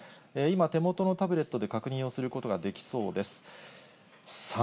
今、手元のタブレットで確認をすることができそうです。